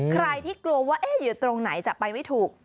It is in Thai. ใครที่กลัวว่าอยู่ตรงไหนจะไปไม่ถูก